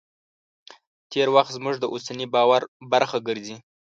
تېر وخت زموږ د اوسني باور برخه ګرځي.